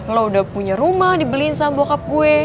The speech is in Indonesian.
lo udah punya rumah dibeli sama bokap gue